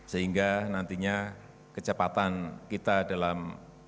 sehingga nantinya kecepatan kita dalam